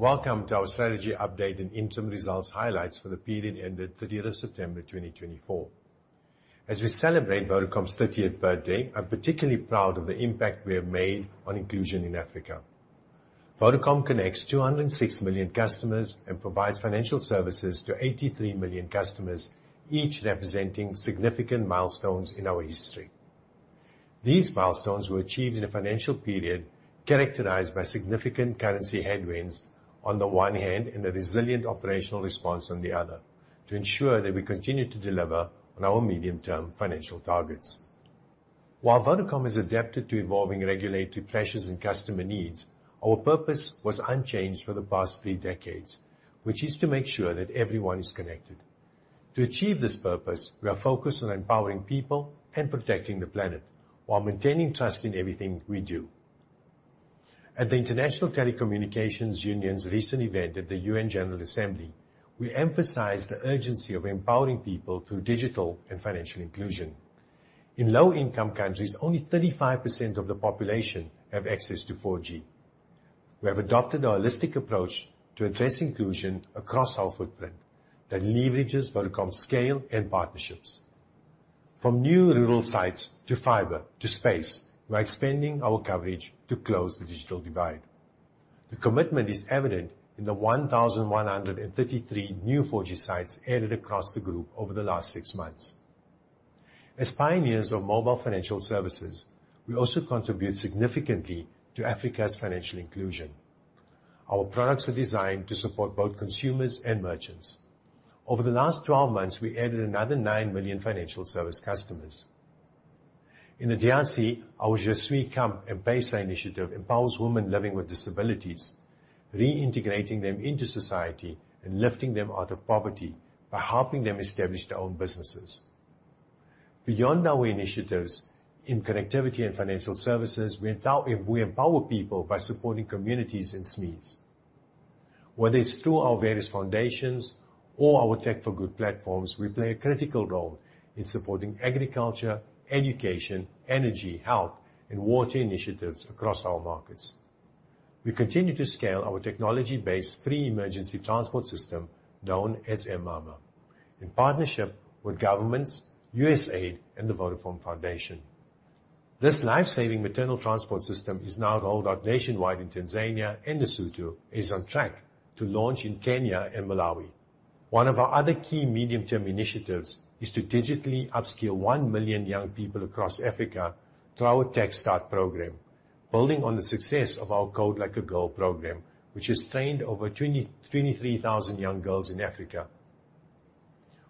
Welcome to our strategy update and interim results highlights for the period ended 30 September 2024. As we celebrate Vodacom's 30th birthday, I'm particularly proud of the impact we have made on inclusion in Africa. Vodacom connects 206 million customers and provides financial services to 83 million customers, each representing significant milestones in our history. These milestones were achieved in a financial period characterized by significant currency headwinds on the one hand and a resilient operational response on the other, to ensure that we continue to deliver on our medium-term financial targets. While Vodacom has adapted to evolving regulatory pressures and customer needs, our purpose was unchanged for the past three decades, which is to make sure that everyone is connected. To achieve this purpose, we are focused on empowering people and protecting the planet, while maintaining trust in everything we do. At the International Telecommunications Union's recent event at the UN General Assembly, we emphasized the urgency of empowering people through digital and financial inclusion. In low-income countries, only 35% of the population have access to 4G. We have adopted a holistic approach to address inclusion across our footprint that leverages Vodacom's scale and partnerships. From new rural sites to fiber to space, we are expanding our coverage to close the digital divide. The commitment is evident in the 1,133 new 4G sites added across the group over the last six months. As pioneers of mobile financial services, we also contribute significantly to Africa's financial inclusion. Our products are designed to support both consumers and merchants. Over the last 12 months, we added another 9 million financial service customers. In the DRC, our Je Suis Cap and M-Pesa initiative empowers women living with disabilities, reintegrating them into society and lifting them out of poverty by helping them establish their own businesses. Beyond our initiatives in connectivity and financial services, we empower people by supporting communities and SMEs. Whether it's through our various foundations or our Tech for Good platforms, we play a critical role in supporting agriculture, education, energy, health, and water initiatives across our markets. We continue to scale our technology-based free emergency transport system known as m-mama, in partnership with governments, USAID, and the Vodafone Foundation. This lifesaving maternal transport system is now rolled out nationwide in Tanzania and Lesotho, and is on track to launch in Kenya and Malawi. One of our other key medium-term initiatives is to digitally upskill one million young people across Africa through our Tech Start program, building on the success of our Code Like a Girl program, which has trained over 23,000 young girls in Africa.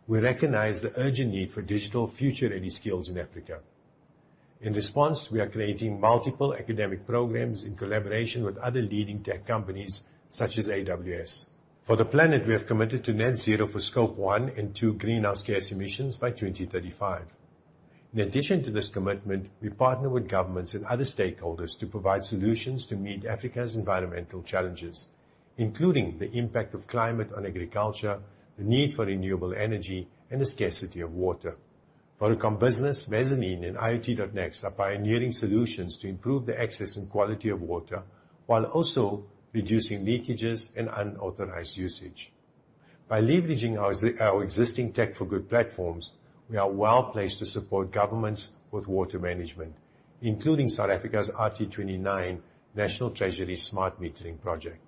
We recognize the urgent need for digital future-ready skills in Africa. In response, we are creating multiple academic programs in collaboration with other leading tech companies such as AWS. For the planet, we have committed to net zero for Scope 1 and 2 greenhouse gas emissions by 2035. In addition to this commitment, we partner with governments and other stakeholders to provide solutions to meet Africa's environmental challenges, including the impact of climate on agriculture, the need for renewable energy, and the scarcity of water. Vodacom Business, Mezzanine, and IoT.nxt are pioneering solutions to improve the access and quality of water while also reducing leakages and unauthorized usage. By leveraging our existing Tech for Good platforms, we are well placed to support governments with water management, including South Africa's RT29 National Treasury Smart Metering Project.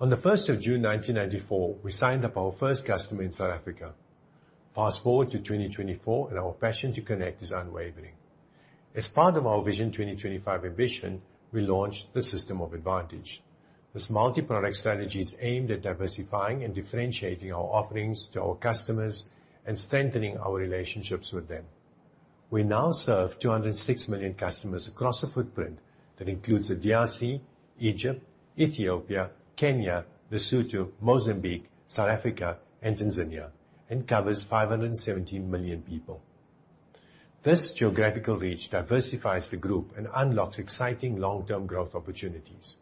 On the 1st of June 1994, we signed up our first customer in South Africa. Fast forward to 2024, and our passion to connect is unwavering. As part of our Vision 2025 ambition, we launched the System of Advantage. This multi-product strategy is aimed at diversifying and differentiating our offerings to our customers and strengthening our relationships with them. We now serve 206 million customers across the footprint that includes the DRC, Egypt, Ethiopia, Kenya, Lesotho, Mozambique, South Africa, and Tanzania, and covers 570 million people. This geographical reach diversifies the group and unlocks exciting long-term growth opportunities.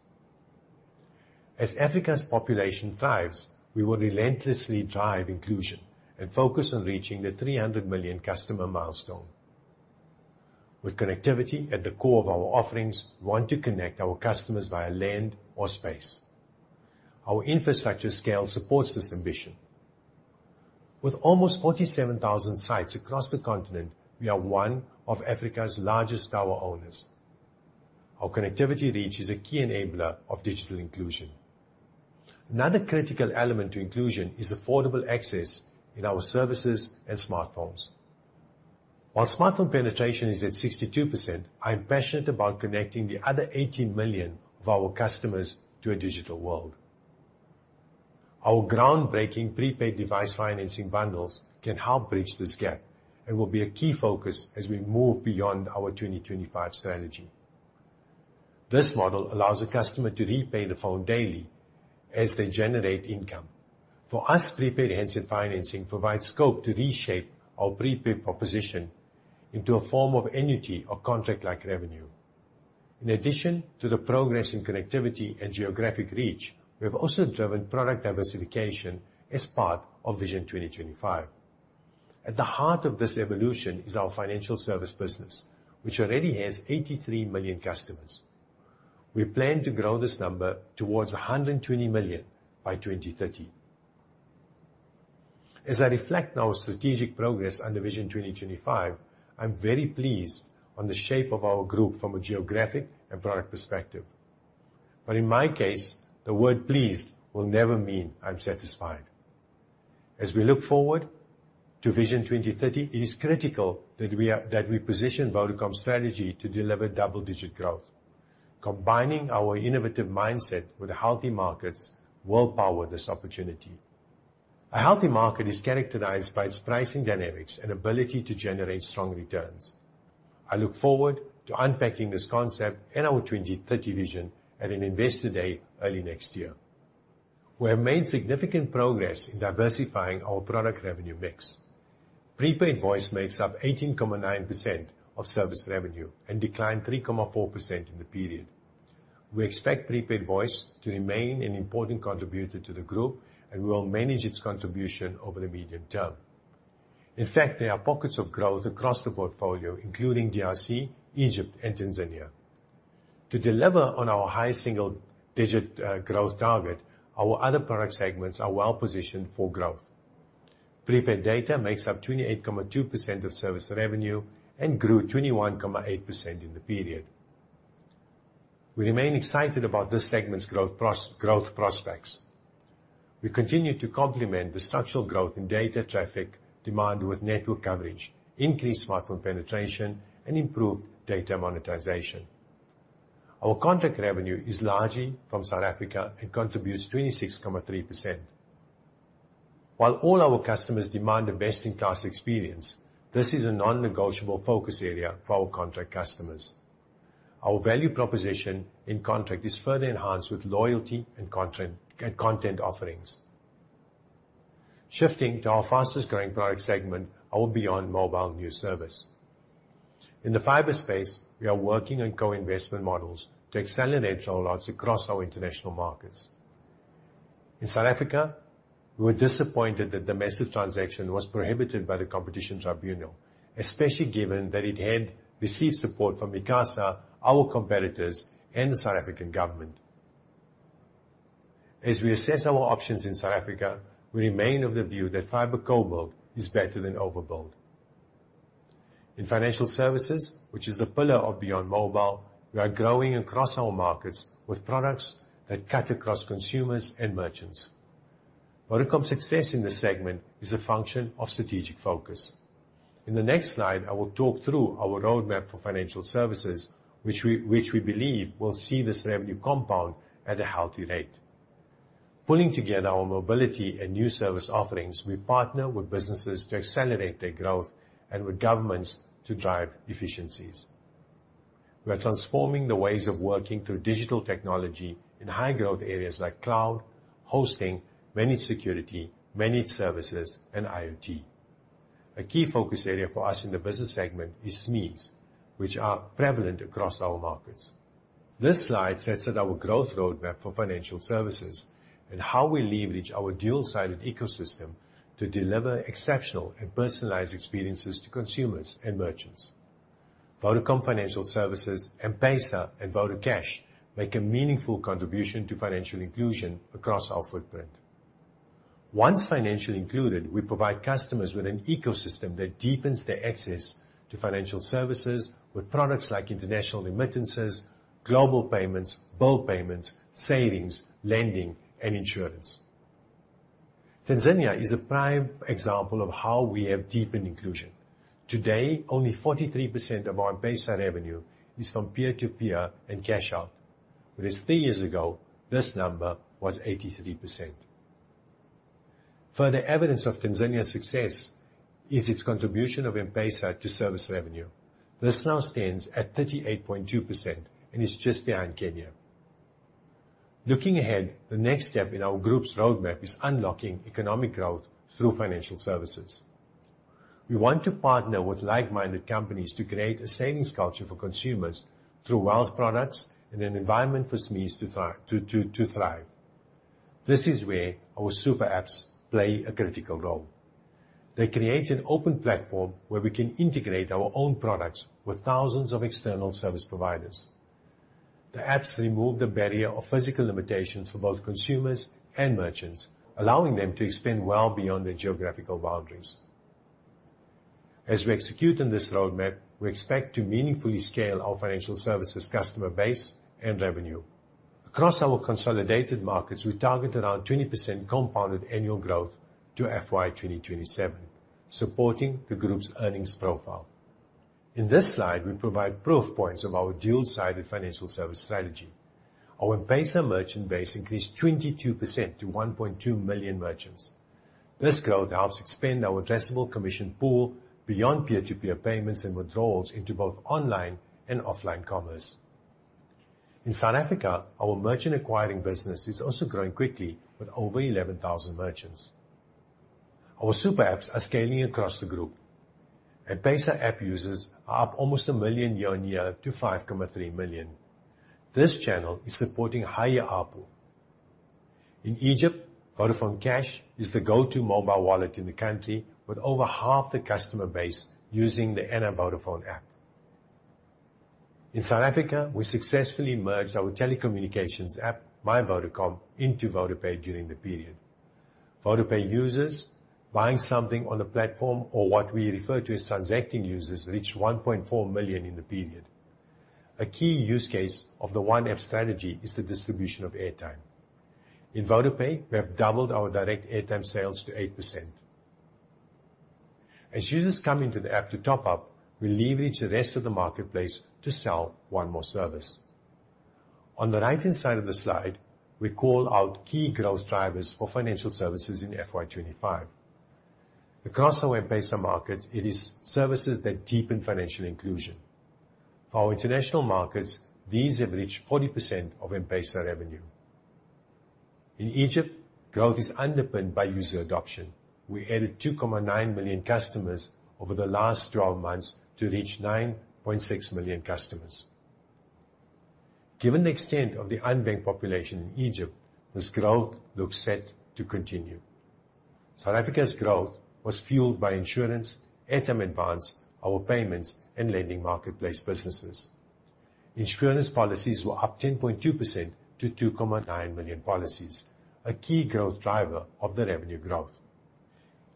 As Africa's population thrives, we will relentlessly drive inclusion and focus on reaching the 300 million customer milestone. With connectivity at the core of our offerings, we want to connect our customers via land or space. Our infrastructure scale supports this ambition. With almost 47,000 sites across the continent, we are one of Africa's largest tower owners. Our connectivity reach is a key enabler of digital inclusion. Another critical element to inclusion is affordable access in our services and smartphones. While smartphone penetration is at 62%, I am passionate about connecting the other 18 million of our customers to a digital world. Our groundbreaking prepaid device financing bundles can help bridge this gap and will be a key focus as we move beyond our 2025 strategy. This model allows a customer to repay the phone daily as they generate income. For us, prepaid enhanced financing provides scope to reshape our prepaid proposition into a form of annuity or contract-like revenue. In addition to the progress in connectivity and geographic reach, we have also driven product diversification as part of Vision 2025. At the heart of this evolution is our financial service business, which already has 83 million customers. We plan to grow this number towards 120 million by 2030. As I reflect on our strategic progress under Vision 2025, I'm very pleased with the shape of our group from a geographic and product perspective. But in my case, the word "pleased" will never mean I'm satisfied. As we look forward to Vision 2030, it is critical that we position Vodacom's strategy to deliver double-digit growth. Combining our innovative mindset with healthy markets will power this opportunity. A healthy market is characterized by its pricing dynamics and ability to generate strong returns. I look forward to unpacking this concept and our 2030 vision at an Investor Day early next year. We have made significant progress in diversifying our product revenue mix. Prepaid voice makes up 18.9% of service revenue and declined 3.4% in the period. We expect prepaid voice to remain an important contributor to the group, and we will manage its contribution over the medium term. In fact, there are pockets of growth across the portfolio, including DRC, Egypt, and Tanzania. To deliver on our high single-digit growth target, our other product segments are well positioned for growth. Prepaid data makes up 28.2% of service revenue and grew 21.8% in the period. We remain excited about this segment's growth prospects. We continue to complement the structural growth in data traffic demand with network coverage, increased smartphone penetration, and improved data monetization. Our contract revenue is largely from South Africa and contributes 26.3%. While all our customers demand a best-in-class experience, this is a non-negotiable focus area for our contract customers. Our value proposition in contract is further enhanced with loyalty and content offerings. Shifting to our fastest-growing product segment, our Beyond Mobile new service. In the fiber space, we are working on co-investment models to accelerate rollouts across our international markets. In South Africa, we were disappointed that the Maziv transaction was prohibited by the Competition Tribunal, especially given that it had received support from ICASA, our competitors, and the South African government. As we assess our options in South Africa, we remain of the view that fiber co-build is better than overbuild. In financial services, which is the pillar of Beyond Mobile, we are growing across our markets with products that cut across consumers and merchants. Vodacom's success in this segment is a function of strategic focus. In the next slide, I will talk through our roadmap for financial services, which we believe will see this revenue compound at a healthy rate. Pulling together our mobility and new service offerings, we partner with businesses to accelerate their growth and with governments to drive efficiencies. We are transforming the ways of working through digital technology in high-growth areas like cloud, hosting, managed security, managed services, and IoT. A key focus area for us in the business segment is SMEs, which are prevalent across our markets. This slide sets out our growth roadmap for financial services and how we leverage our dual-sided ecosystem to deliver exceptional and personalized experiences to consumers and merchants. Vodacom Financial Services and M-Pesa, and Vodacash make a meaningful contribution to financial inclusion across our footprint. Once financially included, we provide customers with an ecosystem that deepens their access to financial services with products like international remittances, global payments, bill payments, savings, lending, and insurance. Tanzania is a prime example of how we have deepened inclusion. Today, only 43% of our M-Pesa revenue is from peer-to-peer and cash-out. Whereas three years ago, this number was 83%. Further evidence of Tanzania's success is its contribution of M-Pesa to service revenue. This now stands at 38.2% and is just behind Kenya. Looking ahead, the next step in our group's roadmap is unlocking economic growth through financial services. We want to partner with like-minded companies to create a savings culture for consumers through wealth products and an environment for SMEs to thrive. This is where our super apps play a critical role. They create an open platform where we can integrate our own products with thousands of external service providers. The apps remove the barrier of physical limitations for both consumers and merchants, allowing them to expand well beyond their geographical boundaries. As we execute on this roadmap, we expect to meaningfully scale our financial services customer base and revenue. Across our consolidated markets, we target around 20% compounded annual growth to FY 2027, supporting the group's earnings profile. In this slide, we provide proof points of our dual-sided financial service strategy. Our M-Pesa merchant base increased 22% to 1.2 million merchants. This growth helps expand our addressable commission pool beyond peer-to-peer payments and withdrawals into both online and offline commerce. In South Africa, our merchant acquiring business is also growing quickly with over 11,000 merchants. Our super apps are scaling across the group. Our M-Pesa app users are up almost a million year on year to 5.3 million. This channel is supporting higher up. In Egypt, Vodafone Cash is the go-to mobile wallet in the country with over half the customer base using the Ana Vodafone app. In South Africa, we successfully merged our telecommunications app, My Vodacom, into VodaPay during the period. VodaPay users buying something on the platform or what we refer to as transacting users reached 1.4 million in the period. A key use case of the One App strategy is the distribution of airtime. In VodaPay, we have doubled our direct airtime sales to 8%. As users come into the app to top up, we leverage the rest of the marketplace to sell one more service. On the right-hand side of the slide, we call out key growth drivers for financial services in FY 25. Across our M-Pesa markets, it is services that deepen financial inclusion. For our international markets, these have reached 40% of M-Pesa revenue. In Egypt, growth is underpinned by user adoption. We added 2.9 million customers over the last 12 months to reach 9.6 million customers. Given the extent of the unbanked population in Egypt, this growth looks set to continue. South Africa's growth was fueled by insurance, Airtime Advance, our payments, and lending marketplace businesses. Insurance policies were up 10.2% to 2.9 million policies, a key growth driver of the revenue growth.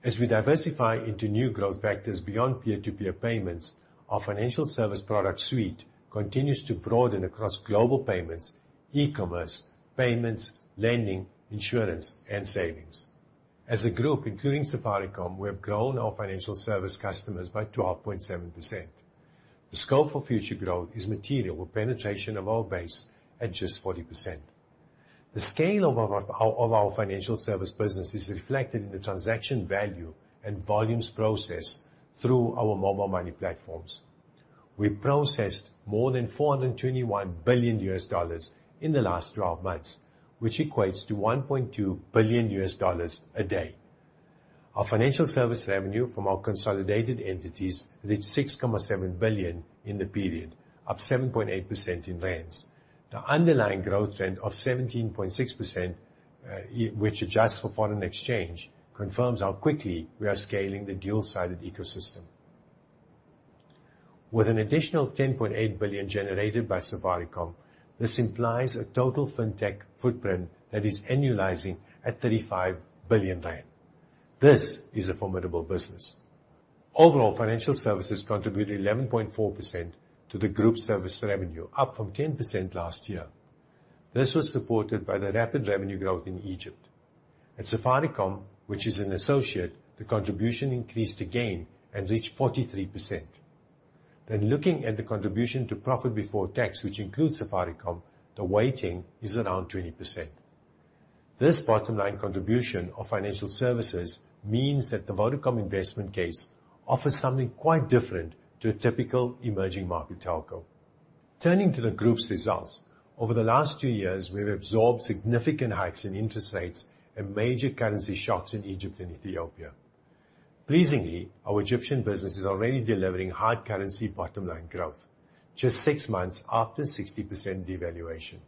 As we diversify into new growth factors beyond peer-to-peer payments, our financial service product suite continues to broaden across global payments, e-commerce, payments, lending, insurance, and savings. As a group, including Safaricom, we have grown our financial service customers by 12.7%. The scope for future growth is material with penetration of our base at just 40%. The scale of our financial service business is reflected in the transaction value and volumes processed through our mobile money platforms. We processed more than $421 billion in the last 12 months, which equates to $1.2 billion a day. Our financial service revenue from our consolidated entities reached 6.7 billion in the period, up 7.8% in rand. The underlying growth trend of 17.6%, which adjusts for foreign exchange, confirms how quickly we are scaling the dual-sided ecosystem. With an additional 10.8 billion generated by Safaricom, this implies a total fintech footprint that is annualizing at 35 billion rand. This is a formidable business. Overall, financial services contributed 11.4% to the group service revenue, up from 10% last year. This was supported by the rapid revenue growth in Egypt. At Safaricom, which is an associate, the contribution increased again and reached 43%. Looking at the contribution to profit before tax, which includes Safaricom, the weighting is around 20%. This bottom-line contribution of financial services means that the Vodacom investment case offers something quite different to a typical emerging market telco. Turning to the group's results, over the last two years, we have absorbed significant hikes in interest rates and major currency shocks in Egypt and Ethiopia. Pleasingly, our Egyptian business is already delivering hard currency bottom-line growth, just six months after 60% devaluation.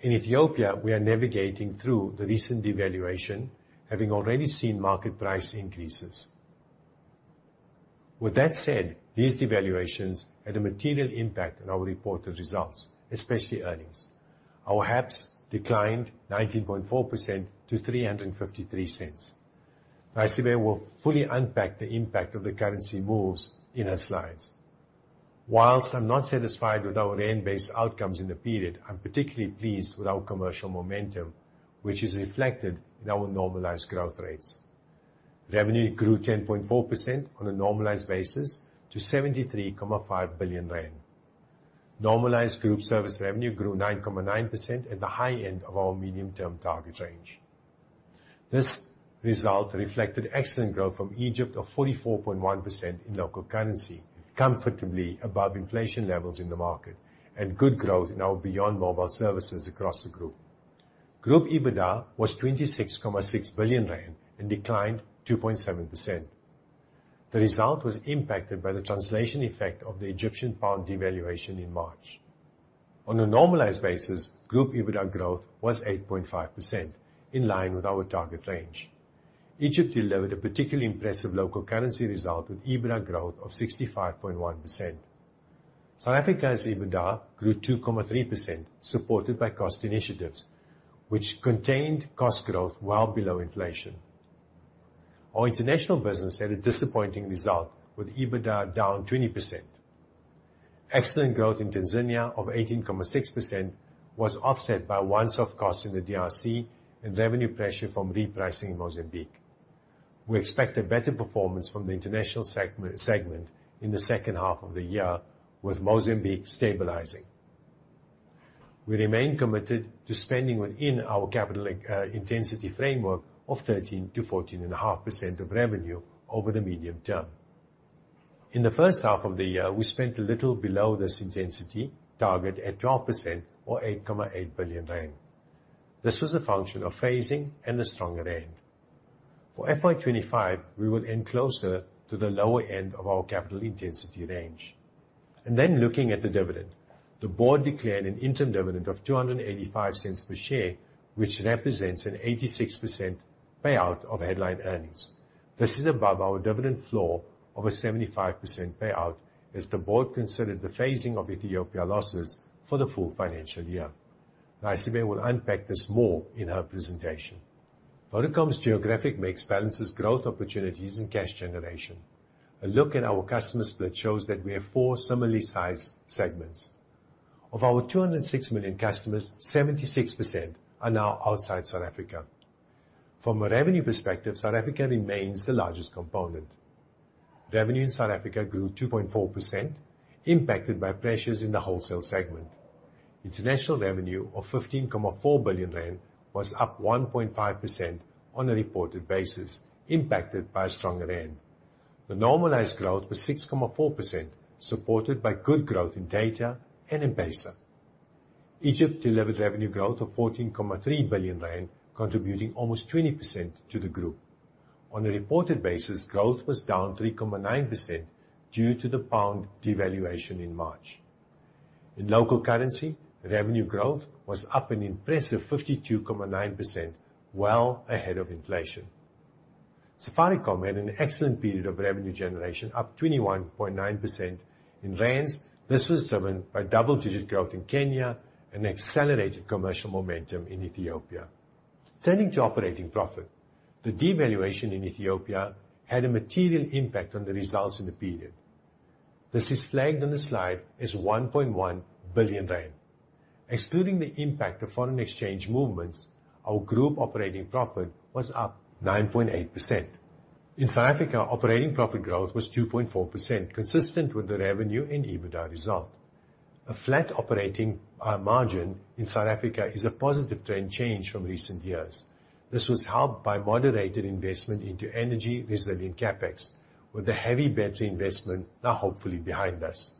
In Ethiopia, we are navigating through the recent devaluation, having already seen market price increases. With that said, these devaluations had a material impact on our reported results, especially earnings. Our HEPS declined 19.4% to 3.53. Raisibe will fully unpack the impact of the currency moves in her slides. While I'm not satisfied with our rand-based outcomes in the period, I'm particularly pleased with our commercial momentum, which is reflected in our normalized growth rates. Revenue grew 10.4% on a normalized basis to 73.5 billion rand. Normalized group service revenue grew 9.9% at the high end of our medium-term target range. This result reflected excellent growth from Egypt of 44.1% in local currency, comfortably above inflation levels in the market, and good growth in our beyond mobile services across the group. Group EBITDA was 26.6 billion rand and declined 2.7%. The result was impacted by the translation effect of the Egyptian pound devaluation in March. On a normalized basis, Group EBITDA growth was 8.5%, in line with our target range. Egypt delivered a particularly impressive local currency result with EBITDA growth of 65.1%. South Africa's EBITDA grew 2.3%, supported by cost initiatives, which contained cost growth well below inflation. Our international business had a disappointing result, with EBITDA down 20%. Excellent growth in Tanzania of 18.6% was offset by one-off cost in the DRC and revenue pressure from repricing in Mozambique. We expect a better performance from the international segment in the second half of the year, with Mozambique stabilizing. We remain committed to spending within our capital intensity framework of 13%-14.5% of revenue over the medium term. In the first half of the year, we spent a little below this intensity target at 12% or 8.8 billion rand. This was a function of phasing and a stronger rand. For FY 25, we will end closer to the lower end of our capital intensity range. Then, looking at the dividend, the board declared an interim dividend of 2.85 per share, which represents an 86% payout of headline earnings. This is above our dividend floor of a 75% payout, as the board considered the phasing of Ethiopia losses for the full financial year. Raisibe will unpack this more in her presentation. Vodacom's geographic mix balances growth opportunities and cash generation. A look at our customer split shows that we have four similarly sized segments. Of our 206 million customers, 76% are now outside South Africa. From a revenue perspective, South Africa remains the largest component. Revenue in South Africa grew 2.4%, impacted by pressures in the wholesale segment. International revenue of 15.4 billion rand was up 1.5% on a reported basis, impacted by a stronger rand. The normalized growth was 6.4%, supported by good growth in data and in M-Pesa. Egypt delivered revenue growth of 14.3 billion rand, contributing almost 20% to the group. On a reported basis, growth was down 3.9% due to the pound devaluation in March. In local currency, revenue growth was up an impressive 52.9%, well ahead of inflation. Safaricom had an excellent period of revenue generation, up 21.9% in rand. This was driven by double-digit growth in Kenya and accelerated commercial momentum in Ethiopia. Turning to operating profit, the devaluation in Ethiopia had a material impact on the results in the period. This is flagged on the slide as 1.1 billion rand. Excluding the impact of foreign exchange movements, our group operating profit was up 9.8%. In South Africa, operating profit growth was 2.4%, consistent with the revenue and EBITDA result. A flat operating margin in South Africa is a positive trend change from recent years. This was helped by moderated investment into energy-resilient CapEx, with the heavy battery investment now hopefully behind us.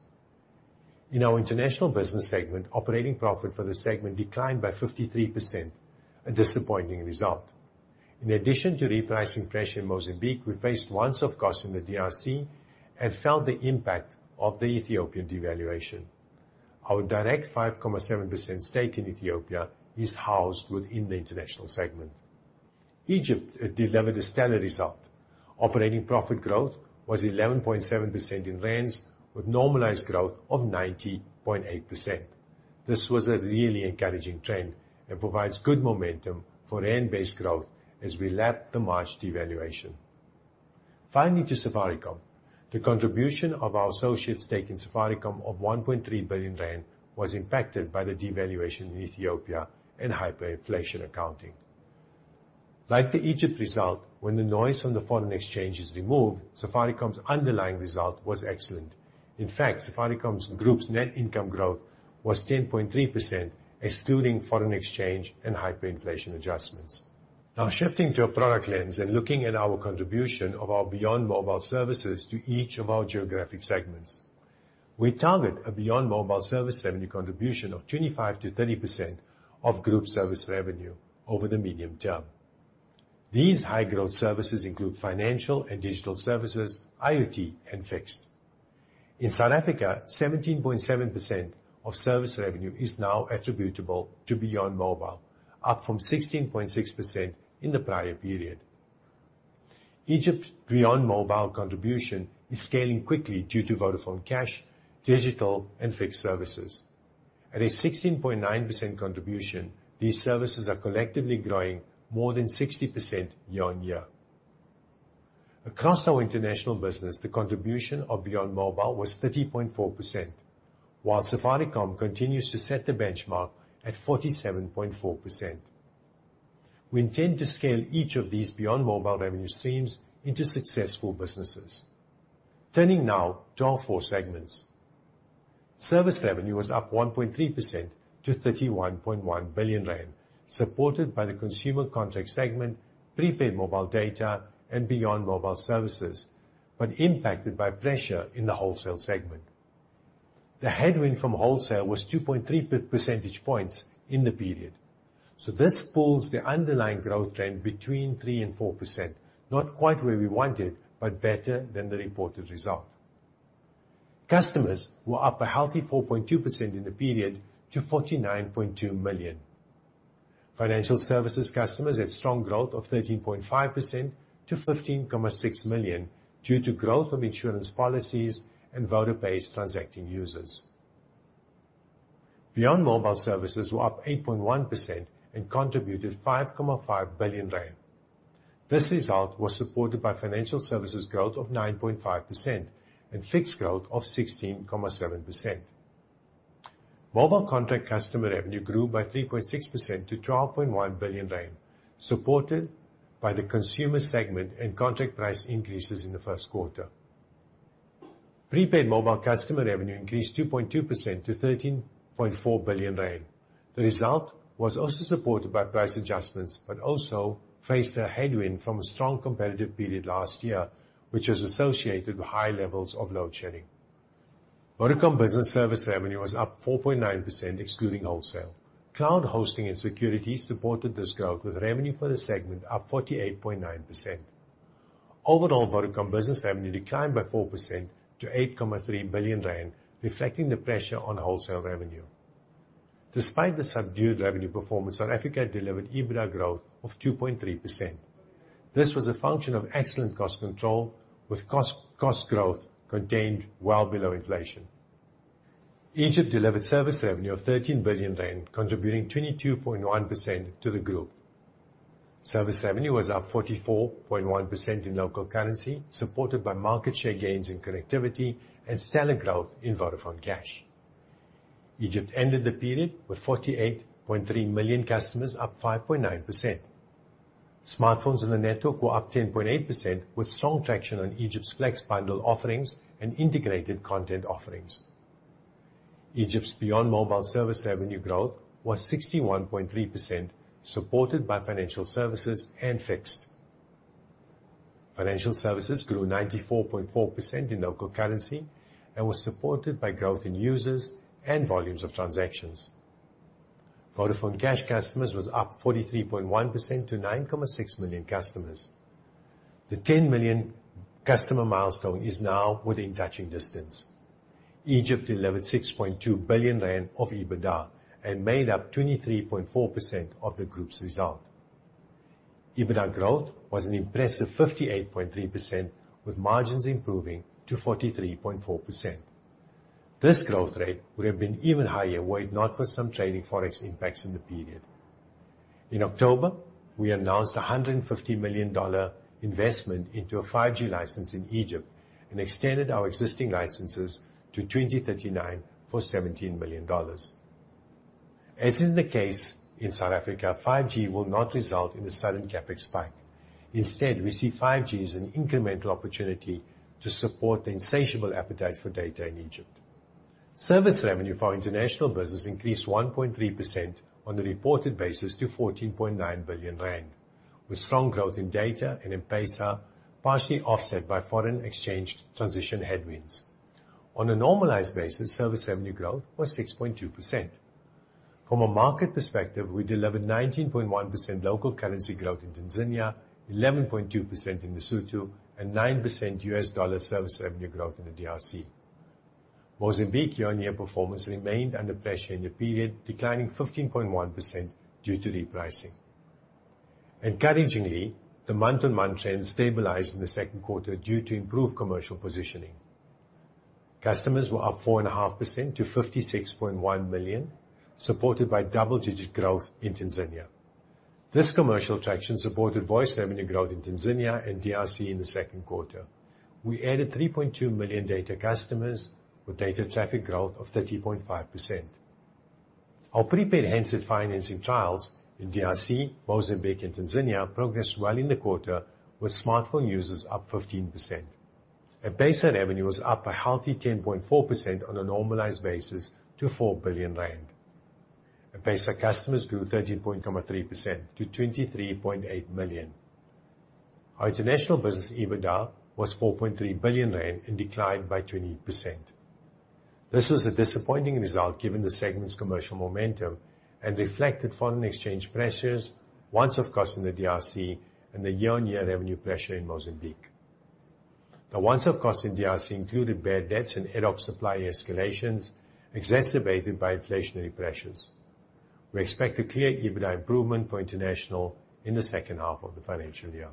In our international business segment, operating profit for the segment declined by 53%, a disappointing result. In addition to repricing pressure in Mozambique, we faced one-off cost in the DRC and felt the impact of the Ethiopian devaluation. Our direct 5.7% stake in Ethiopia is housed within the international segment. Egypt delivered a stellar result. Operating profit growth was 11.7% in rands, with normalized growth of 90.8%. This was a really encouraging trend and provides good momentum for rand-based growth as we lap the March devaluation. Finally, to Safaricom, the contribution of our associate stake in Safaricom of 1.3 billion rand was impacted by the devaluation in Ethiopia and hyperinflation accounting. Like the Egypt result, when the noise from the foreign exchange is removed, Safaricom's underlying result was excellent. In fact, Safaricom's group's net income growth was 10.3%, excluding foreign exchange and hyperinflation adjustments. Now, shifting to a product lens and looking at our contribution of our beyond mobile services to each of our geographic segments, we target a beyond mobile service revenue contribution of 25% to 30% of group service revenue over the medium term. These high-growth services include financial and digital services, IoT, and fixed. In South Africa, 17.7% of service revenue is now attributable to beyond mobile, up from 16.6% in the prior period. Egypt's beyond mobile contribution is scaling quickly due to Vodafone Cash, digital, and fixed services. At a 16.9% contribution, these services are collectively growing more than 60% year on year. Across our international business, the contribution of beyond mobile was 30.4%, while Safaricom continues to set the benchmark at 47.4%. We intend to scale each of these beyond mobile revenue streams into successful businesses. Turning now to our four segments, service revenue was up 1.3% to 31.1 billion rand, supported by the consumer contract segment, prepaid mobile data, and beyond mobile services, but impacted by pressure in the wholesale segment. The headwind from wholesale was 2.3 percentage points in the period. So this pulls the underlying growth trend between 3% and 4%, not quite where we wanted, but better than the reported result. Customers were up a healthy 4.2% in the period to 49.2 million. Financial services customers had strong growth of 13.5% to 15.6 million due to growth of insurance policies and VodaPay-based transacting users. Beyond mobile services were up 8.1% and contributed 5.5 billion rand. This result was supported by financial services growth of 9.5% and fixed growth of 16.7%. Mobile contract customer revenue grew by 3.6% to 12.1 billion rand, supported by the consumer segment and contract price increases in the Q1. Prepaid mobile customer revenue increased 2.2% to 13.4 billion rand. The result was also supported by price adjustments, but also faced a headwind from a strong competitive period last year, which was associated with high levels of load shedding. Vodacom Business service revenue was up 4.9%, excluding wholesale. Cloud hosting and security supported this growth, with revenue for the segment up 48.9%. Overall, Vodacom Business revenue declined by 4% to 8.3 billion rand, reflecting the pressure on wholesale revenue. Despite the subdued revenue performance, South Africa delivered EBITDA growth of 2.3%. This was a function of excellent cost control, with cost growth contained well below inflation. Egypt delivered service revenue of 13 billion rand, contributing 22.1% to the group. Service revenue was up 44.1% in local currency, supported by market share gains in connectivity and stellar growth in Vodafone Cash. Egypt ended the period with 48.3 million customers, up 5.9%. Smartphones on the network were up 10.8%, with strong traction on Egypt's Flex bundle offerings and integrated content offerings. Egypt's beyond mobile service revenue growth was 61.3%, supported by financial services and fixed. Financial services grew 94.4% in local currency and was supported by growth in users and volumes of transactions. Vodafone Cash customers were up 43.1% to 9.6 million customers. The 10 million customer milestone is now within touching distance. Egypt delivered 6.2 billion rand of EBITDA and made up 23.4% of the group's result. EBITDA growth was an impressive 58.3%, with margins improving to 43.4%. This growth rate would have been even higher were it not for some trading forex impacts in the period. In October, we announced a $150 million investment into a 5G license in Egypt and extended our existing licenses to 2039 for $17 million. As in the case in South Africa, 5G will not result in a sudden CapEx spike. Instead, we see 5G as an incremental opportunity to support the insatiable appetite for data in Egypt. Service revenue for international business increased 1.3% on a reported basis to 14.9 billion rand, with strong growth in data and in M-Pesa, partially offset by foreign exchange transition headwinds. On a normalized basis, service revenue growth was 6.2%. From a market perspective, we delivered 19.1% local currency growth in Tanzania, 11.2% in Lesotho, and 9% USD service revenue growth in the DRC. Mozambique year-on-year performance remained under pressure in the period, declining 15.1% due to repricing. Encouragingly, the month-on-month trend stabilized in the Q2 due to improved commercial positioning. Customers were up 4.5% to 56.1 million, supported by double-digit growth in Tanzania. This commercial traction supported voice revenue growth in Tanzania and DRC in the Q2. We added 3.2 million data customers, with data traffic growth of 30.5%. Our prepaid handset financing trials in DRC, Mozambique, and Tanzania progressed well in the quarter, with smartphone users up 15%. At M-Pesa, revenue was up a healthy 10.4% on a normalized basis to 4 billion rand. At M-Pesa, customers grew 13.3% to 23.8 million. Our international business EBITDA was 4.3 billion rand and declined by 20%. This was a disappointing result given the segment's commercial momentum and reflected foreign exchange pressures, one-off cost in the DRC, and the year-on-year revenue pressure in Mozambique. The one-off cost in DRC included bad debts and ad hoc supply escalations exacerbated by inflationary pressures. We expect a clear EBITDA improvement for international in the second half of the financial year.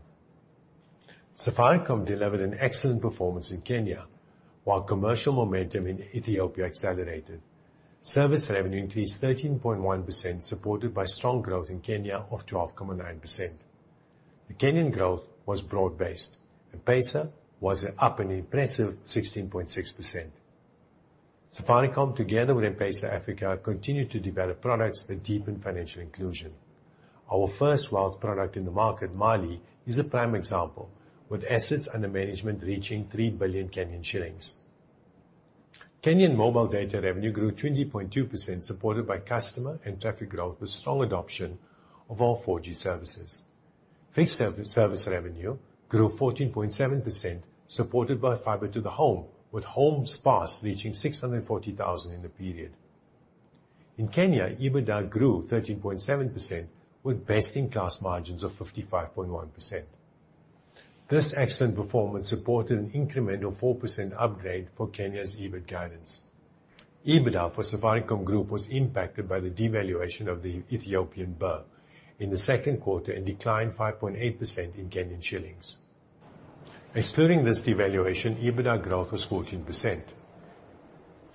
Safaricom delivered an excellent performance in Kenya, while commercial momentum in Ethiopia accelerated. Service revenue increased 13.1%, supported by strong growth in Kenya of 12.9%. The Kenyan growth was broad-based. At M-Pesa, it was up an impressive 16.6%. Safaricom, together with M-Pesa Africa, continued to develop products that deepen financial inclusion. Our first wealth product in the market, Mali, is a prime example, with assets under management reaching 3 billion Kenyan shillings. Kenyan mobile data revenue grew 20.2%, supported by customer and traffic growth with strong adoption of our 4G services. Fixed service revenue grew 14.7%, supported by fiber to the home, with homes passed reaching 640,000 in the period. In Kenya, EBITDA grew 13.7% with best-in-class margins of 55.1%. This excellent performance supported an incremental 4% upgrade for Kenya's EBITDA guidance. EBITDA for Safaricom Group was impacted by the devaluation of the Ethiopian Birr in the Q2 and declined 5.8% in Kenyan shillings. Excluding this devaluation, EBITDA growth was 14%.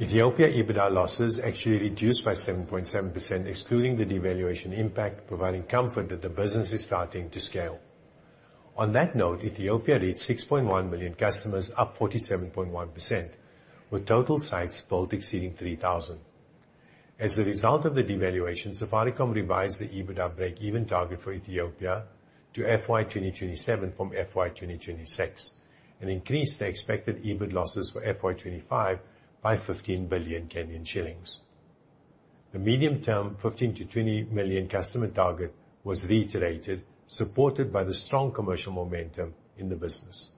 Ethiopia EBITDA losses actually reduced by 7.7%, excluding the devaluation impact, providing comfort that the business is starting to scale. On that note, Ethiopia reached 6.1 million customers, up 47.1%, with total sites now exceeding 3,000. As a result of the devaluation, Safaricom revised the EBITDA break-even target for Ethiopia to FY2027 from FY2026 and increased the expected EBITDA losses for FY25 by 15 billion Kenyan shillings. The medium-term 15-20 million customer target was reiterated, supported by the strong commercial momentum in the business.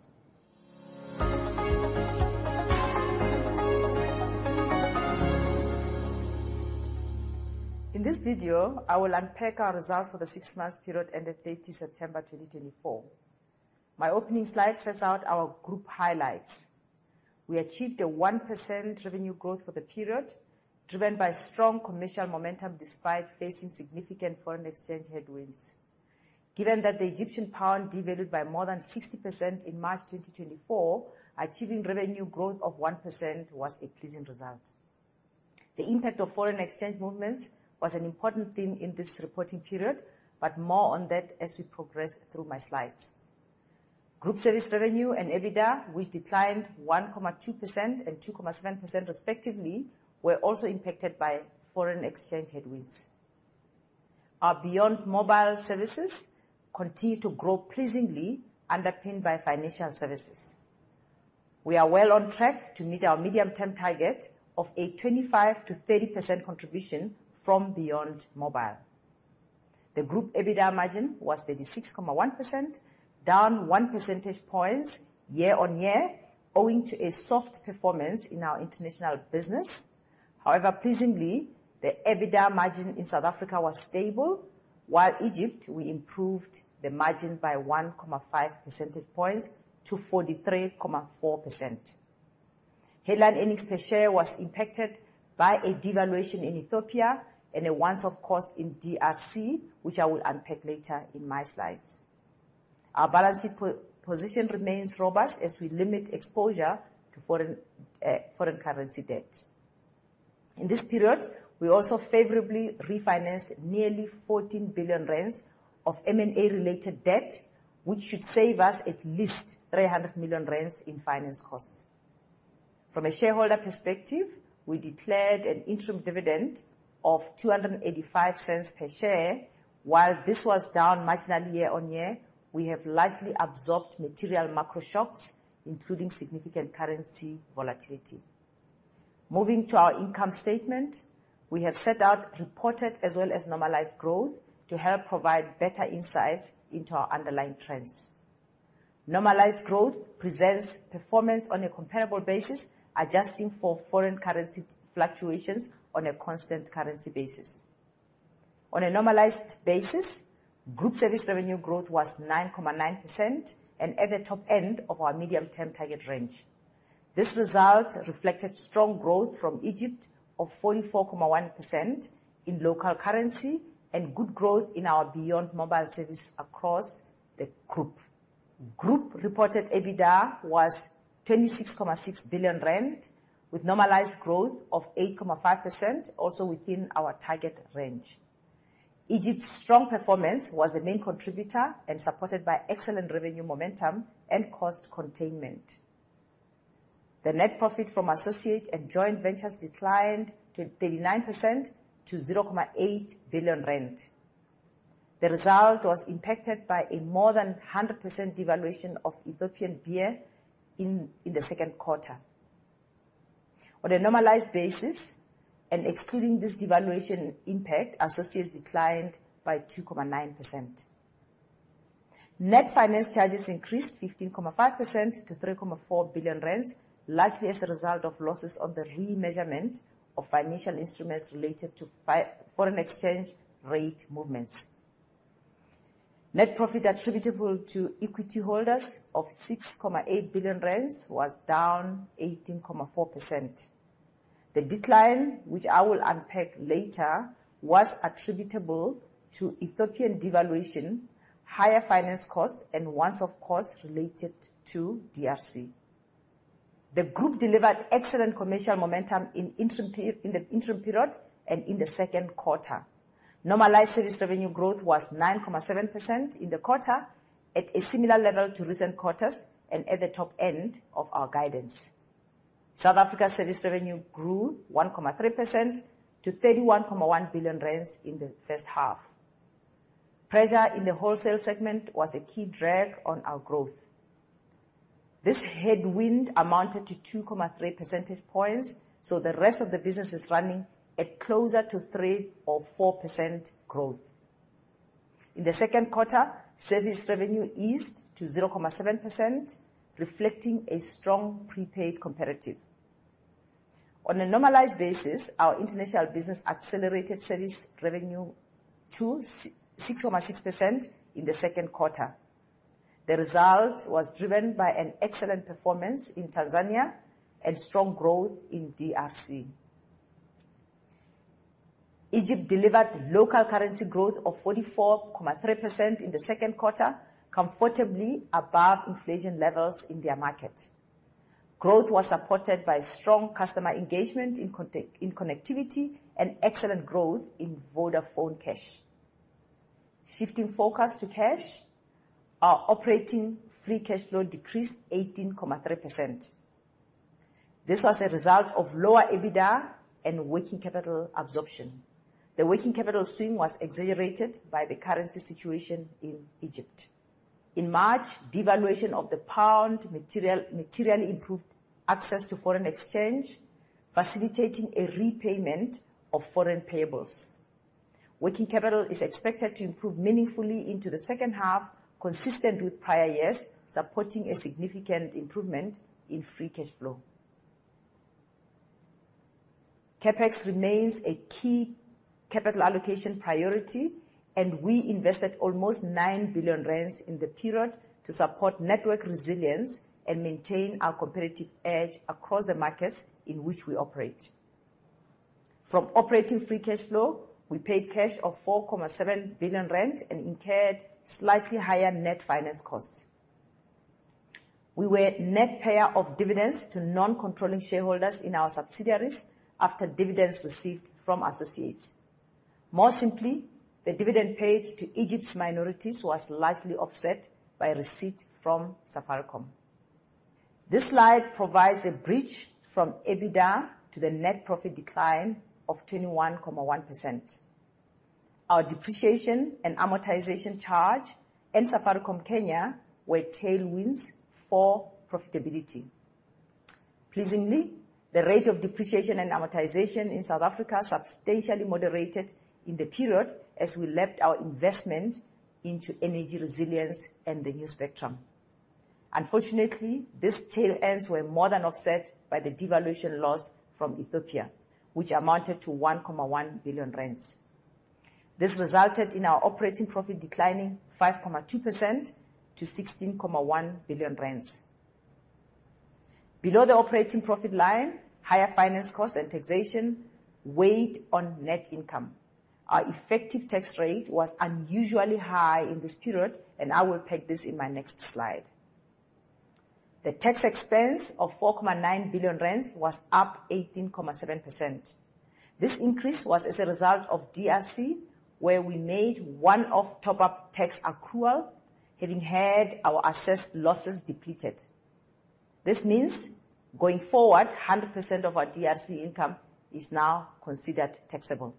In this video, I will unpack our results for the six-month period ended 30 September 2024. My opening slide sets out our group highlights. We achieved a 1% revenue growth for the period, driven by strong commercial momentum despite facing significant foreign exchange headwinds. Given that the Egyptian pound devalued by more than 60% in March 2024, achieving revenue growth of 1% was a pleasing result. The impact of foreign exchange movements was an important theme in this reporting period, but more on that as we progress through my slides. Group service revenue and EBITDA, which declined 1.2% and 2.7% respectively, were also impacted by foreign exchange headwinds. Our beyond mobile services continue to grow pleasingly, underpinned by financial services. We are well on track to meet our medium-term target of a 25%-30% contribution from beyond mobile. The group EBITDA margin was 36.1%, down 1 percentage point year on year, owing to a soft performance in our international business. However, pleasingly, the EBITDA margin in South Africa was stable, while Egypt improved the margin by 1.5 percentage points to 43.4%. Headline earnings per share was impacted by a devaluation in Ethiopia and a one-off cost in DRC, which I will unpack later in my slides. Our balance sheet position remains robust as we limit exposure to foreign currency debt. In this period, we also favorably refinanced nearly 14 billion rand of M&A-related debt, which should save us at least 300 million rand in finance costs. From a shareholder perspective, we declared an interim dividend of 2.85 ZAR per share. While this was down marginally year on year, we have largely absorbed material macro shocks, including significant currency volatility. Moving to our income statement, we have set out reported as well as normalized growth to help provide better insights into our underlying trends. Normalized growth presents performance on a comparable basis, adjusting for foreign currency fluctuations on a constant currency basis. On a normalized basis, group service revenue growth was 9.9% and at the top end of our medium-term target range. This result reflected strong growth from Egypt of 44.1% in local currency and good growth in our beyond mobile service across the group. Group reported EBITDA was 26.6 billion rand, with normalized growth of 8.5%, also within our target range. Egypt's strong performance was the main contributor and supported by excellent revenue momentum and cost containment. The net profit from associate and joint ventures declined to 39% to 0.8 billion rand. The result was impacted by a more than 100% devaluation of Ethiopian Birr in the Q2. On a normalized basis, and excluding this devaluation impact, associates declined by 2.9%. Net finance charges increased 15.5% to 3.4 billion rand, largely as a result of losses on the remeasurement of financial instruments related to foreign exchange rate movements. Net profit attributable to equity holders of 6.8 billion rand was down 18.4%. The decline, which I will unpack later, was attributable to Ethiopian devaluation, higher finance costs, and one-off cost related to DRC. The group delivered excellent commercial momentum in the interim period and in the Q2. Normalized service revenue growth was 9.7% in the quarter, at a similar level to recent quarters and at the top end of our guidance. South Africa's service revenue grew 1.3% to 31.1 billion rand in the first half. Pressure in the wholesale segment was a key drag on our growth. This headwind amounted to 2.3 percentage points, so the rest of the business is running at closer to 3% or 4% growth. In the Q2, service revenue eased to 0.7%, reflecting a strong prepaid comparative. On a normalized basis, our international business accelerated service revenue to 6.6% in the Q2. The result was driven by an excellent performance in Tanzania and strong growth in DRC. Egypt delivered local currency growth of 44.3% in the Q2, comfortably above inflation levels in their market. Growth was supported by strong customer engagement in connectivity and excellent growth in Vodafone Cash. Shifting focus to cash, our operating free cash flow decreased 18.3%. This was the result of lower EBITDA and working capital absorption. The working capital swing was exaggerated by the currency situation in Egypt. In March, devaluation of the pound materially improved access to foreign exchange, facilitating a repayment of foreign payables. Working capital is expected to improve meaningfully into the second half, consistent with prior years, supporting a significant improvement in free cash flow. CapEx remains a key capital allocation priority, and we invested almost 9 billion rand in the period to support network resilience and maintain our competitive edge across the markets in which we operate. From operating free cash flow, we paid cash of 4.7 billion rand and incurred slightly higher net finance costs. We were net payer of dividends to non-controlling shareholders in our subsidiaries after dividends received from associates. More simply, the dividend paid to Egypt's minorities was largely offset by receipt from Safaricom. This slide provides a bridge from EBITDA to the net profit decline of 21.1%. Our depreciation and amortization charge and Safaricom Kenya were tailwinds for profitability. Pleasingly, the rate of depreciation and amortization in South Africa substantially moderated in the period as we limited our investment into energy resilience and the new spectrum. Unfortunately, these tailwinds were more than offset by the devaluation loss from Ethiopia, which amounted to 1.1 billion rand. This resulted in our operating profit declining 5.2% to ZAR 16.1 billion. Below the operating profit line, higher finance costs and taxation weighed on net income. Our effective tax rate was unusually high in this period, and I will unpack this in my next slide. The tax expense of 4.9 billion rand was up 18.7%. This increase was as a result of DRC, where we made one-off top-up tax accrual, having had our assessed losses depleted. This means going forward, 100% of our DRC income is now considered taxable.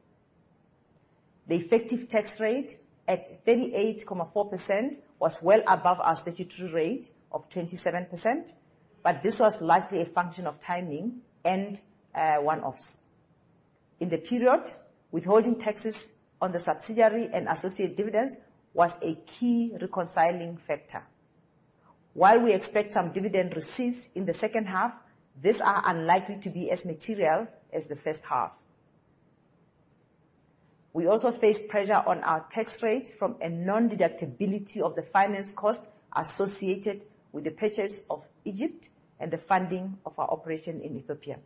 The effective tax rate at 38.4% was well above our statutory rate of 27%, but this was largely a function of timing and one-offs. In the period, withholding taxes on the subsidiary and associate dividends was a key reconciling factor. While we expect some dividend receipts in the second half, these are unlikely to be as material as the first half. We also faced pressure on our tax rate from a non-deductibility of the finance costs associated with the purchase of Egypt and the funding of our operation in Ethiopia.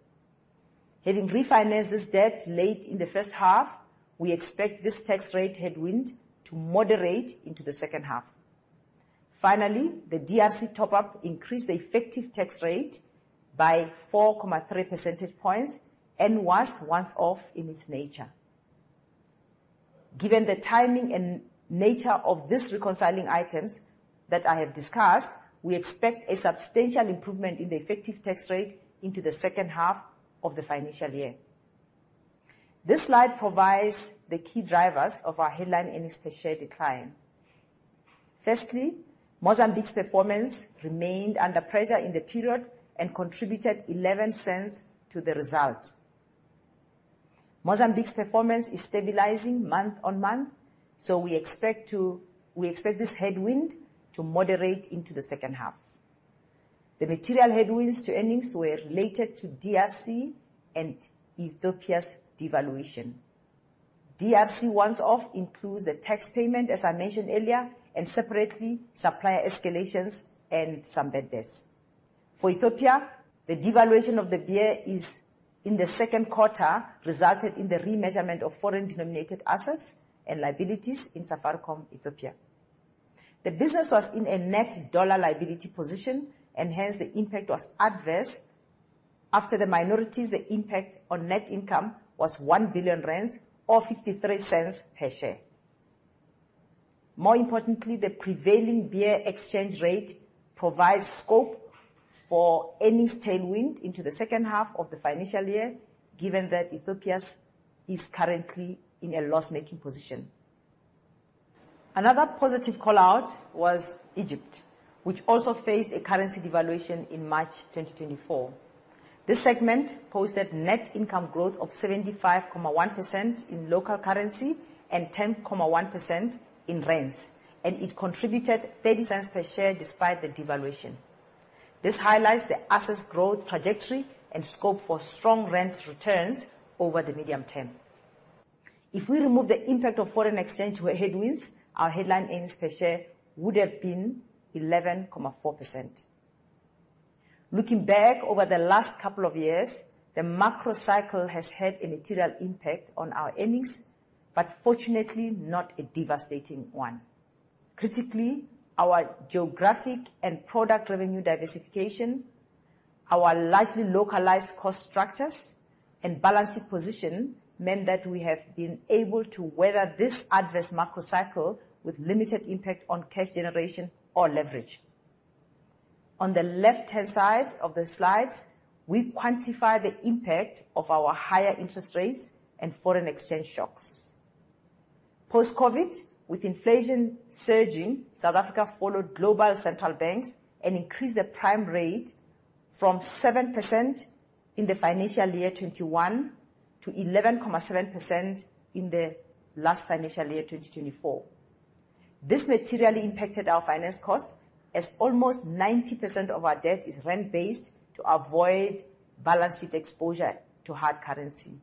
Having refinanced this debt late in the first half, we expect this tax rate headwind to moderate into the second half. Finally, the DRC top-up increased the effective tax rate by 4.3 percentage points and was one-off in its nature. Given the timing and nature of these reconciling items that I have discussed, we expect a substantial improvement in the effective tax rate into the second half of the financial year. This slide provides the key drivers of our headline earnings per share decline. Firstly, Mozambique's performance remained under pressure in the period and contributed 0.11 to the result. Mozambique's performance is stabilizing month on month, so we expect this headwind to moderate into the second half. The material headwinds to earnings were related to DRC and Ethiopia's devaluation. DRC one-off includes the tax payment, as I mentioned earlier, and separately, supplier escalations and some bad debts. For Ethiopia, the devaluation of the birr in the Q2 resulted in the remeasurement of foreign denominated assets and liabilities in Safaricom Ethiopia. The business was in a net dollar liability position, and hence the impact was adverse. After the minorities, the impact on net income was 1 billion rand or 0.53 per share. More importantly, the prevailing ETB exchange rate provides scope for earnings tailwind into the second half of the financial year, given that Ethiopia is currently in a loss-making position. Another positive callout was Egypt, which also faced a currency devaluation in March 2024. This segment posted net income growth of 75.1% in local currency and 10.1% in rands, and it contributed 0.30 per share despite the devaluation. This highlights the asset's growth trajectory and scope for strong rand returns over the medium term. If we remove the impact of foreign exchange headwinds, our headline earnings per share would have been 11.4%. Looking back over the last couple of years, the macro cycle has had a material impact on our earnings, but fortunately, not a devastating one. Critically, our geographic and product revenue diversification, our largely localized cost structures, and balance sheet position meant that we have been able to weather this adverse macro cycle with limited impact on cash generation or leverage. On the left-hand side of the slides, we quantify the impact of our higher interest rates and foreign exchange shocks. Post-COVID, with inflation surging, South Africa followed global central banks and increased the prime rate from 7% in the financial year 2021 to 11.7% in the last financial year 2024. This materially impacted our finance costs, as almost 90% of our debt is rand-based to avoid balance sheet exposure to hard currency.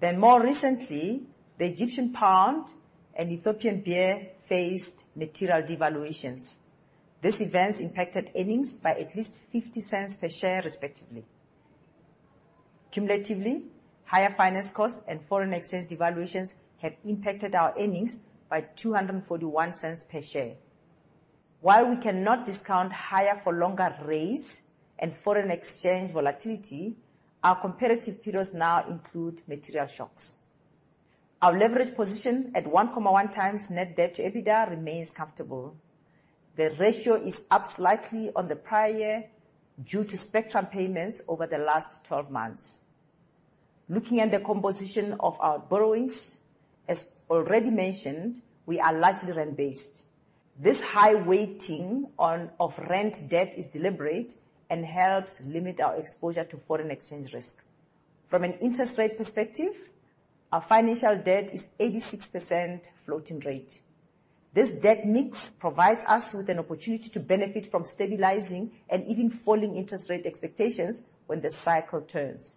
Then, more recently, the Egyptian pound and Ethiopian birr faced material devaluations. These events impacted earnings by at least 0.50 per share, respectively. Cumulatively, higher finance costs and foreign exchange devaluations have impacted our earnings by 2.41 per share. While we cannot discount higher-for-longer rates and foreign exchange volatility, our comparative periods now include material shocks. Our leverage position at 1.1 times net debt to EBITDA remains comfortable. The ratio is up slightly on the prior year due to spectrum payments over the last 12 months. Looking at the composition of our borrowings, as already mentioned, we are largely rand-based. This high weighting of rand debt is deliberate and helps limit our exposure to foreign exchange risk. From an interest rate perspective, our financial debt is 86% floating rate. This debt mix provides us with an opportunity to benefit from stabilizing and even falling interest rate expectations when the cycle turns.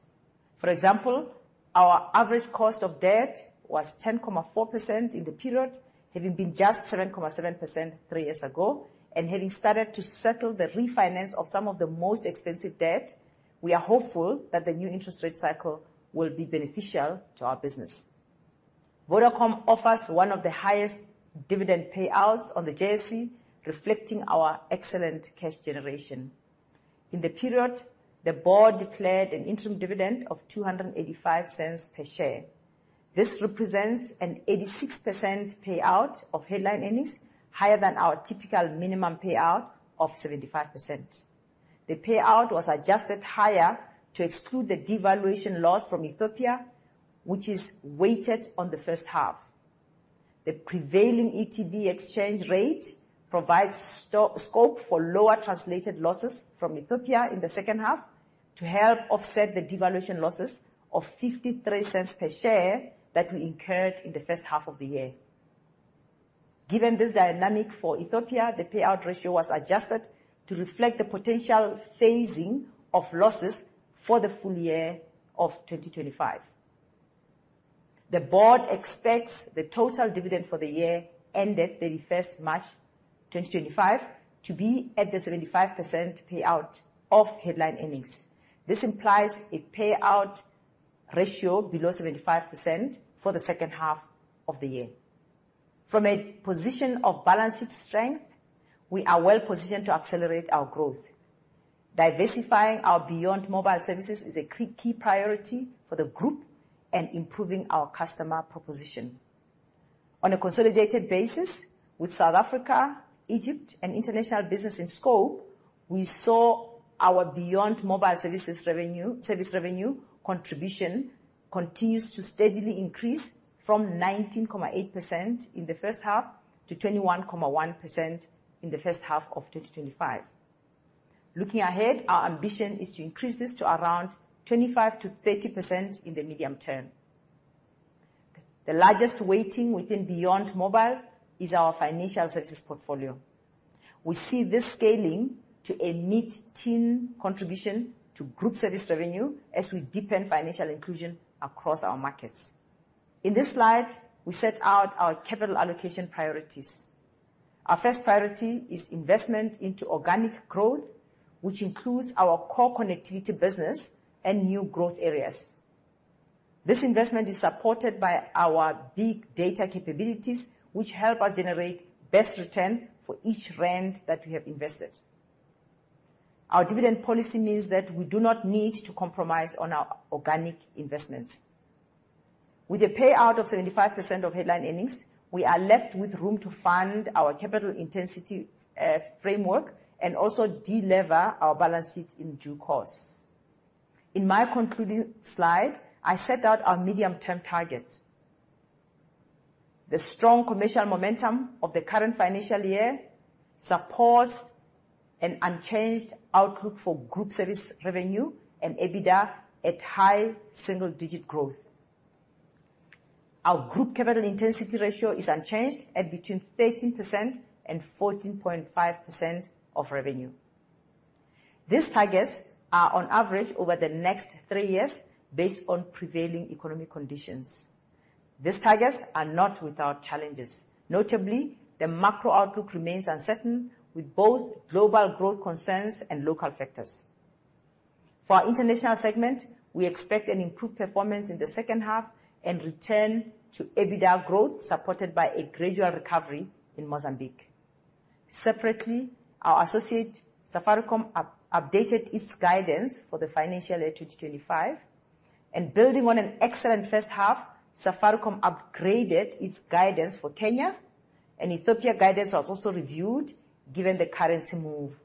For example, our average cost of debt was 10.4% in the period, having been just 7.7% three years ago, and having started to settle the refinance of some of the most expensive debt, we are hopeful that the new interest rate cycle will be beneficial to our business. Vodacom offers one of the highest dividend payouts on the JSE, reflecting our excellent cash generation. In the period, the board declared an interim dividend of 2.85 per share. This represents an 86% payout of headline earnings, higher than our typical minimum payout of 75%. The payout was adjusted higher to exclude the devaluation loss from Ethiopia, which is weighted on the first half. The prevailing ETB exchange rate provides scope for lower translated losses from Ethiopia in the second half to help offset the devaluation losses of 0.53 per share that we incurred in the first half of the year. Given this dynamic for Ethiopia, the payout ratio was adjusted to reflect the potential phasing of losses for the full year of 2025. The board expects the total dividend for the year ended 31st March 2025 to be at the 75% payout of headline earnings. This implies a payout ratio below 75% for the second half of the year. From a position of balance sheet strength, we are well positioned to accelerate our growth. Diversifying our Beyond Mobile Services is a key priority for the group and improving our customer proposition. On a consolidated basis, with South Africa, Egypt, and international business in scope, we saw our Beyond Mobile Services revenue contribution continue to steadily increase from 19.8% in the first half to 21.1% in the first half of 2025. Looking ahead, our ambition is to increase this to around 25%-30% in the medium term. The largest weighting within Beyond Mobile is our financial services portfolio. We see this scaling to a mid-teen contribution to group service revenue as we deepen financial inclusion across our markets. In this slide, we set out our capital allocation priorities. Our first priority is investment into organic growth, which includes our core connectivity business and new growth areas. This investment is supported by our big data capabilities, which help us generate best return for each rand that we have invested. Our dividend policy means that we do not need to compromise on our organic investments. With a payout of 75% of headline earnings, we are left with room to fund our capital intensity framework and also delever our balance sheet in due course. In my concluding slide, I set out our medium-term targets. The strong commercial momentum of the current financial year supports an unchanged outlook for group service revenue and EBITDA at high single-digit growth. Our group capital intensity ratio is unchanged at between 13% and 14.5% of revenue. These targets are on average over the next three years based on prevailing economic conditions. These targets are not without challenges. Notably, the macro outlook remains uncertain with both global growth concerns and local factors. For our international segment, we expect an improved performance in the second half and return to EBITDA growth supported by a gradual recovery in Mozambique. Separately, our associate Safaricom updated its guidance for the financial year 2025, and building on an excellent first half, Safaricom upgraded its guidance for Kenya, and Ethiopia guidance was also reviewed given the currency move.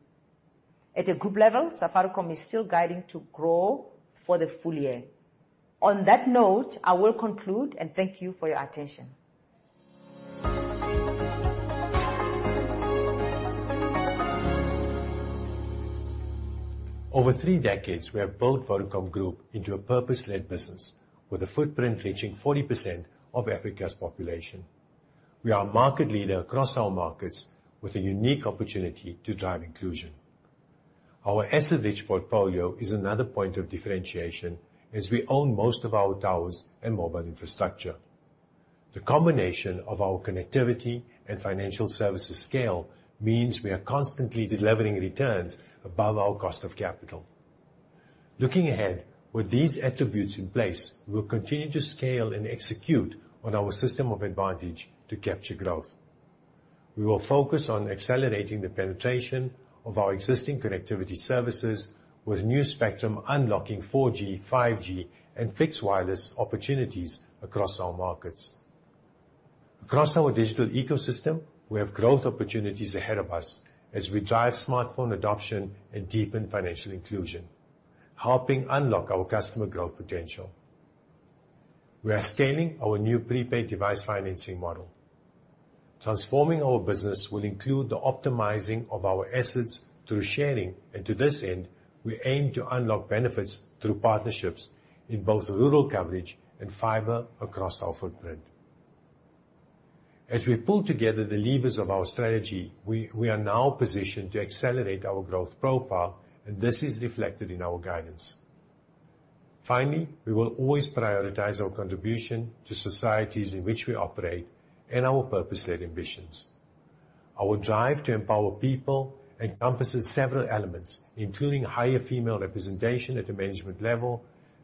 At a group level, Safaricom is still guiding to grow for the full year. On that note, I will conclude and thank you for your attention. Over three decades, we have built Vodacom Group into a purpose-led business with a footprint reaching 40% of Africa's population. We are a market leader across our markets with a unique opportunity to drive inclusion. Our asset-rich portfolio is another point of differentiation as we own most of our towers and mobile infrastructure. The combination of our connectivity and financial services scale means we are constantly delivering returns above our cost of capital. Looking ahead, with these attributes in place, we will continue to scale and execute on our System of Advantage to capture growth. We will focus on accelerating the penetration of our existing connectivity services with new spectrum unlocking 4G, 5G, and fixed wireless opportunities across our markets. Across our digital ecosystem, we have growth opportunities ahead of us as we drive smartphone adoption and deepen financial inclusion, helping unlock our customer growth potential. We are scaling our new prepaid device financing model. Transforming our business will include the optimizing of our assets through sharing, and to this end, we aim to unlock benefits through partnerships in both rural coverage and fiber across our footprint. As we pull together the levers of our strategy, we are now positioned to accelerate our growth profile, and this is reflected in our guidance. Finally, we will always prioritize our contribution to societies in which we operate and our purpose-led ambitions. Our drive to empower people encompasses several elements, including higher female representation at the management level,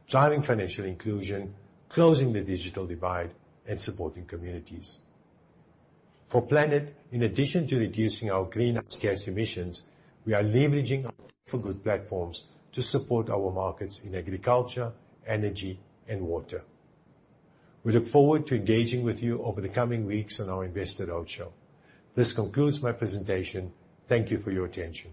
driving financial inclusion, closing the digital divide, and supporting communities. For Planet, in addition to reducing our greenhouse gas emissions, we are leveraging our for good platforms to support our markets in agriculture, energy, and water. We look forward to engaging with you over the coming weeks on our investor roadshow. This concludes my presentation. Thank you for your attention.